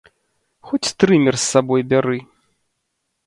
Хоць трымер з сабой бяры!